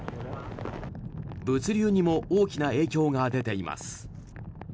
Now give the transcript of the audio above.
物流にも大きな影響が出ています。